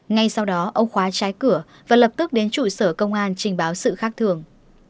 ngay sau đó ông khóa trái cửa và lập tức đến trụ sở công an trình báo sự khác thường